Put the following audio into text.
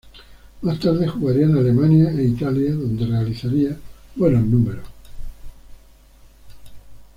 Más tarde, jugaría en Alemania e Italia donde realizaría buenos números.